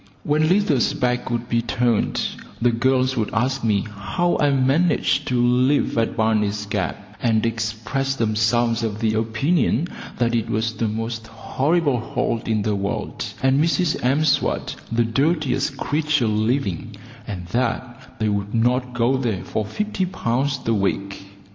When Lizer's back would be turned, the girls would ask me how I managed to live at Barney's Gap, and expressed themselves of the opinion that it was the most horrible hole in the world, and Mrs M'Swat the dirtiest creature living, and that they would not go there for 50 pounds a week.